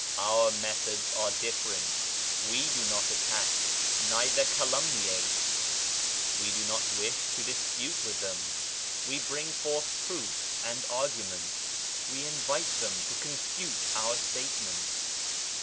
Our methods are different, we do not attack, neither calumniate ; we do not wish to dispute with them ; we bring forth proofs and arguments ; we invite them to confute our statements.